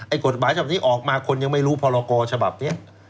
กฎหมายฉบับนี้ออกมาคนยังไม่รู้พรกรฉบับนี้